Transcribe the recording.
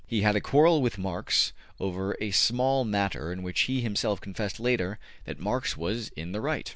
He had a quarrel with Marx over a matter in which he himself confessed later that Marx was in the right.